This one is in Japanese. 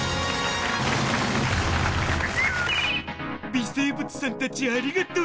微生物さんたちありがとう！